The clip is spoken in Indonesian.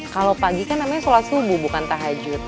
kalau pagi kan namanya sholat subuh bukan tahajud